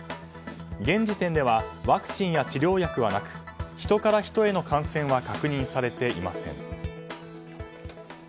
現時点ではワクチンや治療薬はなく人から人への感染は確認されていません。